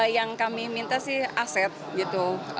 yang kami minta sih aset gitu